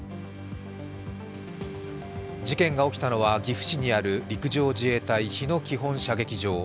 事件が起きたのは、岐阜市にある陸上自衛隊日野基本射撃場。